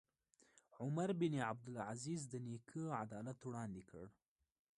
عمر بن عبدالعزیز د نیکه عدالت وړاندې کړ.